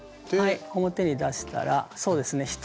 はい表に出したらそうですね